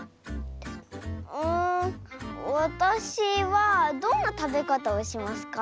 んわたしはどんなたべかたをしますか？